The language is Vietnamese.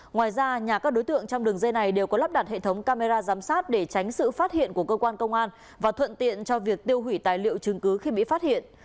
ngoài ra nhà các đối tượng trong đường dây này đều có lắp đặt hệ thống camera giám sát để tránh sự phát hiện của cơ quan công an và thuận tiện cho việc tiêu hủy tài liệu chứng cứ khi bị phát hiện